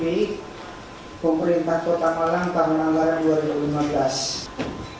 di pemerintah kota malang tahun anggaran dua ribu lima belas